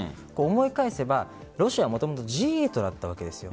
思い返せばロシアはもともとＧ８だったんです。